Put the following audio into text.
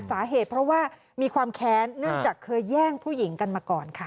สาเหตุเพราะว่ามีความแค้นเนื่องจากเคยแย่งผู้หญิงกันมาก่อนค่ะ